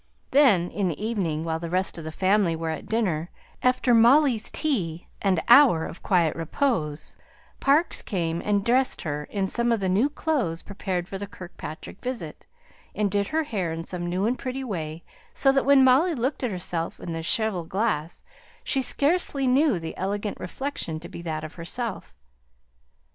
Then in the evening while the rest of the family were at dinner after Molly's tea and hour of quiet repose, Parkes came and dressed her in some of the new clothes prepared for the Kirkpatrick visit, and did her hair in some new and pretty way, so that when Molly looked at herself in the cheval glass, she scarcely knew the elegant reflection to be that of herself.